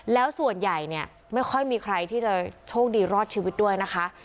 แล้วส่วนใหญ่เนี่ยไม่ค่อยมีใครที่จะโชคดีรอดชีวิตด้วยนะคะ